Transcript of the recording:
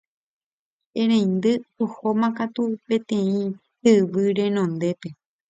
che reindy ohóma katu peteĩ tyvy renondépe